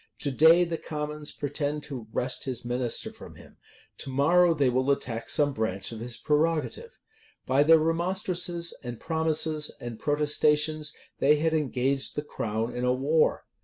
To day the commons pretend to wrest his minister from him: to morrow they will attack some branch of his prerogative. By their remonstrances, and promises, and protestations, they had engaged the crown in a war.